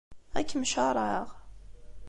Ad kem-caṛɛeɣ.